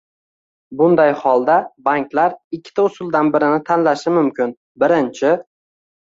Bunday holda, banklar ikkita usuldan birini tanlashi mumkin: Birinchi